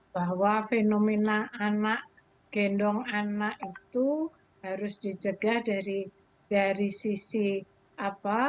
bahwa fenomena anak gendong anak itu harus dicegah dari sisi apa